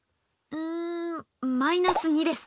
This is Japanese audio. ん−２です。